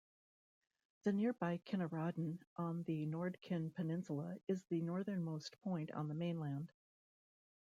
The nearby Kinnarodden on the Nordkinn Peninsula is the northernmost point on the mainland.